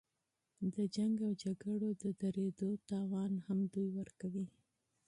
د جنګ و جګړو د اودرېدو نقصان هم دوی ورکوي.